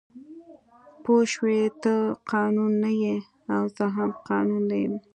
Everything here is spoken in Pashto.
پوه شوې ته قانون نه یې او زه هم قانون نه یم